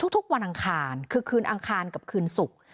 ทุกวันอังคารคือคืนอังคารกับคืนศุกร์